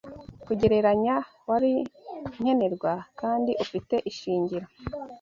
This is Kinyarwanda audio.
kugereranya wari nkenerwa kandi ufite ishingiro